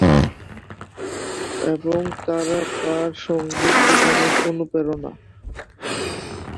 এবং তারা তার সঙ্গীত জীবনের অনুপ্রেরণা।